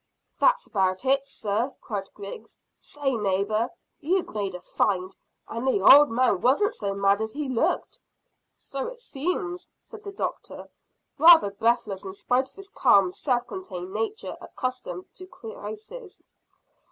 "That's about it, sir," cried Griggs. "Say, neighbour, you've made a find, and the old man wasn't so mad as he looked." "So it seems," said the doctor, rather breathless in spite of his calm self contained nature, accustomed to crises.